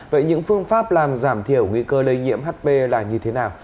vậy những phương pháp làm giảm thiểu nguy cơ lây nhiễm hp là như thế nào